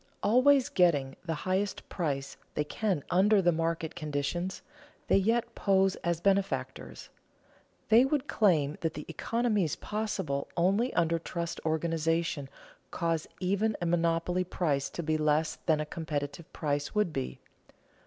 Always getting the highest price they can under the market conditions, they yet pose as benefactors. They would claim that the economies possible only under trust organization cause even a monopoly price to be less than a competitive price would be.